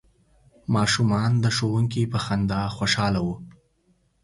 ماشومان د ښوونکي په خندا خوشحاله وو.